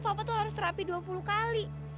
papa tuh harus terapi dua puluh kali